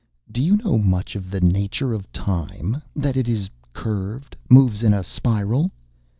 "Do you know much of the nature of Time? That it is curved, moves in a spiral...."